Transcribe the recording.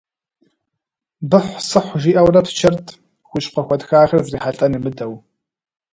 Быхьу-сыхьу жиӏэурэ псчэрт, хущхъуэ хуатхахэр зрихьэлӏэн имыдэу.